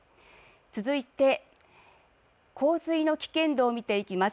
続いて洪水の危険度を見ていきます。